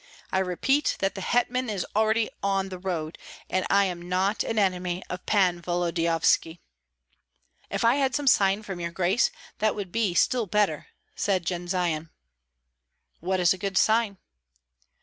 I repeat that the hetman is already on the road, and I am not an enemy of Pan Volodyovski." "If I had some sign from your grace, that would be still better," said Jendzian. "What good is a sign?"